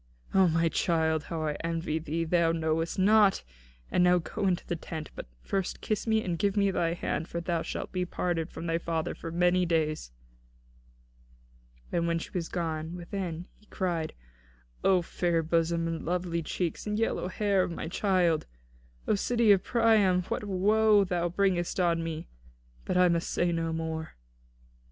"O my child, how I envy thee, that thou knowest naught! And now go into the tent; but first kiss me, and give me thy hand, for thou shalt be parted from thy father for many days." And when she was gone within, he cried: "O fair bosom and very lovely cheeks and yellow hair of my child! O city of Priam, what woe thou bringest on me! But I must say no more."